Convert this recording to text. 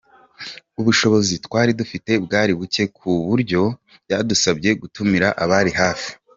Ubushobozi twari dufite bwari bucye ku buryo byadusabye gutumira abari hafi.